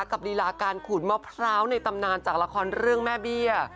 ลีลาการขูดมะพร้าวในตำนานจากละครเรื่องแม่เบี้ย